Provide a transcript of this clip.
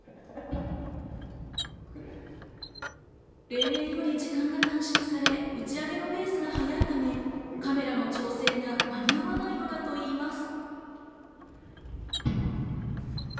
例年より時間が短縮され、打ち上げのペースが速いため、カメラの調整が間に合わないのだといいます。